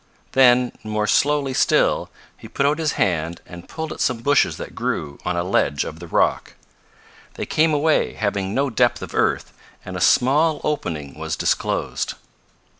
Then, more slowly still, he put out his hand and pulled at some bushes that grew on a ledge of the rock. They came away, having no depth of earth, and a small opening was disclosed.